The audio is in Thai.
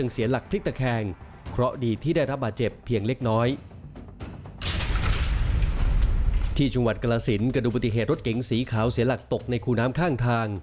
สีขาวเสียหลักตกในคู่น้ำข้างทาง